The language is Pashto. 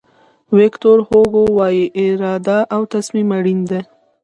ویکتور هوګو وایي اراده او تصمیم اړین دي.